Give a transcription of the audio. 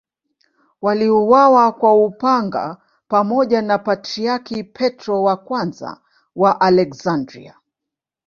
Waliuawa kwa upanga pamoja na Patriarki Petro I wa Aleksandria.